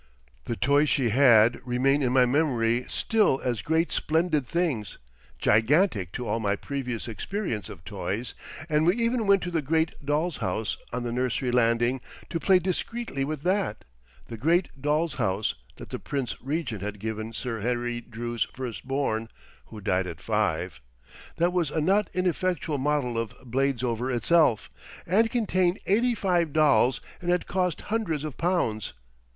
The toys she had remain in my memory still as great splendid things, gigantic to all my previous experience of toys, and we even went to the great doll's house on the nursery landing to play discreetly with that, the great doll's house that the Prince Regent had given Sir Harry Drew's first born (who died at five), that was a not ineffectual model of Bladesover itself, and contained eighty five dolls and had cost hundreds of pounds.